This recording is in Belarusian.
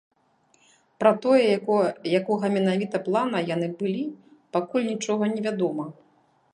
Пра тое, якога менавіта плана яны былі, пакуль нічога не вядома.